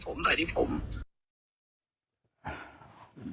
ผมในอีออน